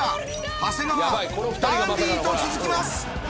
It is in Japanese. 長谷川ダンディと続きます。